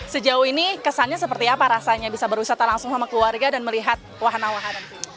sejauh ini kesannya seperti apa rasanya bisa berwisata langsung sama keluarga dan melihat wahana wahana